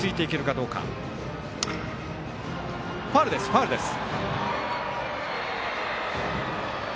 ファウルです。